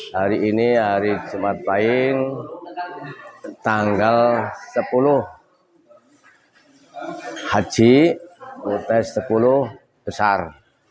hari ini hari jumat pahing tanggal sepuluh haji ut sepuluh besar